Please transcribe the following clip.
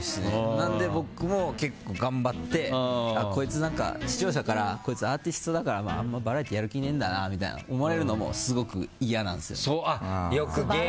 なので、僕も結構頑張って視聴者からこいつアーティストだからあんまりバラエティーやる気ないんだなみたいに思われるのもすごく嫌なんですよね。